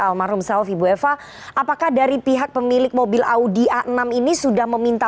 almarhum selfie bu eva apakah dari pihak pemilik mobil audi a enam ini sudah meminta